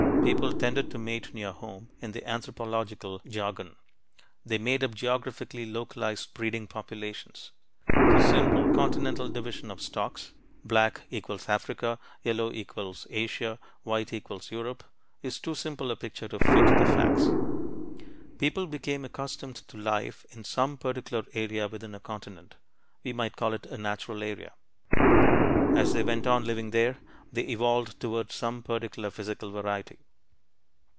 People tended to mate near home; in the anthropological jargon, they made up geographically localized breeding populations. The simple continental division of "stocks" black = Africa, yellow = Asia, white = Europe is too simple a picture to fit the facts. People became accustomed to life in some particular area within a continent (we might call it a "natural area"). As they went on living there, they evolved towards some particular physical variety.